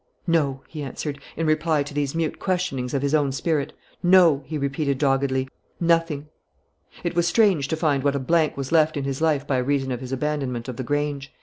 "No!" he answered, in reply to these mute questionings of his own spirit, "no," he repeated doggedly, "nothing." It was strange to find what a blank was left in his life by reason of his abandonment of the Grange.